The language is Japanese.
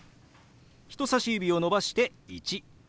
人さし指を伸ばして「１」。